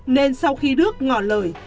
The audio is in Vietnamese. nên sau khi đức ngỏ lời